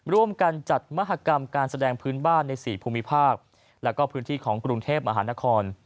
ร่วมกันจัดมหากรรมการแสดงพื้นบ้านใน๔ภูมิภาคและก็พื้นที่ของกรุงเทพมหานคร